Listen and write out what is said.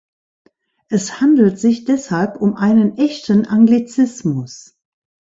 Es handelt sich deshalb um einen echten Anglizismus.